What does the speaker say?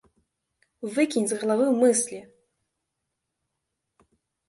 Выкінь з галавы мыслі!